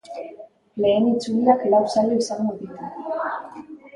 Lehen itzuliak lau saio izango ditu.